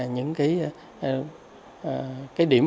những cái điểm